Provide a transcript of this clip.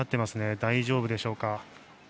大丈夫でしょうか？